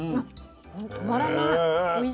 止まらない。